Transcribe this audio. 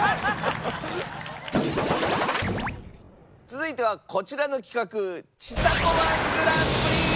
続いてはこちらの企画。